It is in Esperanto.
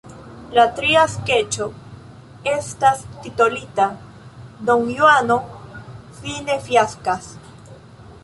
La tria skeĉo estas titolita Donjuano fine fiaskas.